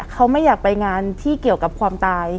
เขาไม่อยากไปงานที่เกี่ยวกับความตาย